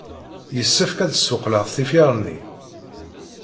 Yessefk ad d-ssuqqleɣ tifyar-nni.